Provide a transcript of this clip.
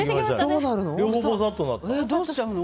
どうなっちゃうの？